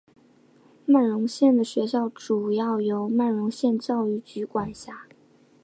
曼绒县的学校主要由曼绒县教育局管辖。